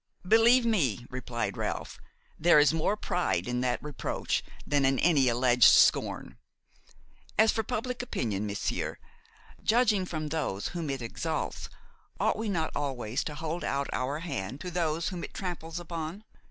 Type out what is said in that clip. "Believe me," replied Ralph, "there is more pride in that reproach than in any alleged scorn. As for public opinion, monsieur, judging from those whom it exalts, ought we not always to hold out our hand to those whom it tramples upon?